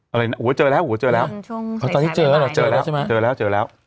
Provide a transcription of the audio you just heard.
อะไรนะหัวเจอแล้วหัวเจอแล้วตอนนี้เจอแล้วเหรอเจอแล้วใช่ไหมเจอแล้วเจอแล้ว